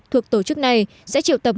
thuộc tổ chức này sẽ triệu tập